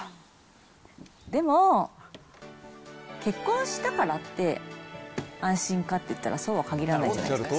でも、結婚したからって安心かっていったらそうは限らないじゃないですか。